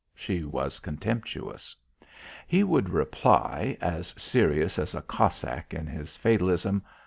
She was contemptuous. He would reply, as serious as a Cossack in his fatalism.